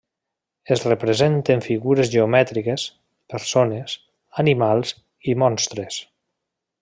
Es representen figures geomètriques, persones, animals i monstres.